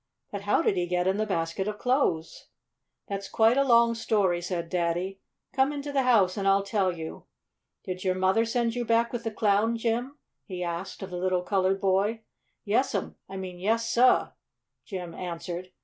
"But how did he get in the basket of clothes?" "That's quite a long story," said Daddy. "Come into the house and I'll tell you. Did your mother send you back with the Clown, Jim?" he asked of the little colored boy. "Yes'm I mean yes, sah!" Jim answered.